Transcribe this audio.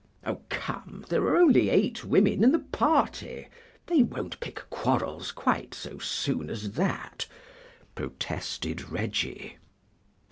"Oh, come, there are only eight women in the party; they won't pick quarrels quite so soon as that," protested Reggie.